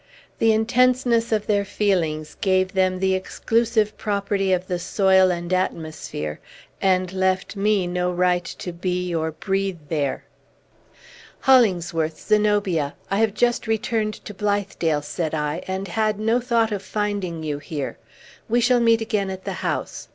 The intenseness of their feelings gave them the exclusive property of the soil and atmosphere, and left me no right to be or breathe there. "Hollingsworth, Zenobia, I have just returned to Blithedale," said I, "and had no thought of finding you here. We shall meet again at the house.